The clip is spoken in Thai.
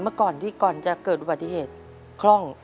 เมื่อก่อนที่ก่อนจะเกิดอุบัติเหตุคล่อง